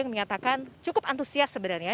yang menyatakan cukup antusias sebenarnya